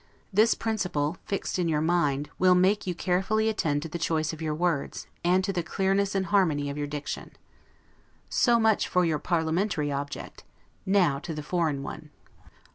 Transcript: This principle, fixed in your mind, will make you carefully attend to the choice of your words, and to the clearness and harmony of your diction. So much for your parliamentary object; now to the foreign one.